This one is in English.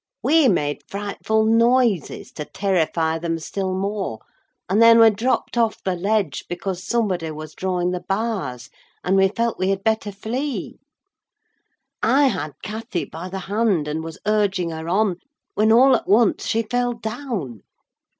We made frightful noises to terrify them still more, and then we dropped off the ledge, because somebody was drawing the bars, and we felt we had better flee. I had Cathy by the hand, and was urging her on, when all at once she fell down.